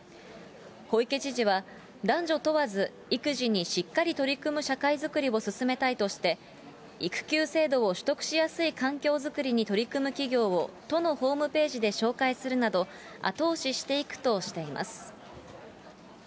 小池知事は、男女問わず育児にしっかり取り組む社会作りを進めたいとして、育休制度を取得しやすい環境作りに取り組む企業を都のホームページで紹介するなど、後押ししていくとしています。